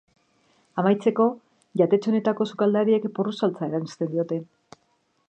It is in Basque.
Amaitzeko, jatetxe honetako sukaldariek porru saltsa eransten diote.